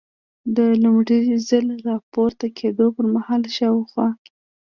د لومړي ځل را پورته کېدو پر مهال شاوخوا.